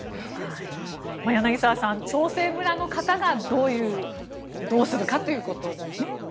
柳澤さん、長生村の方がどうするかということですね。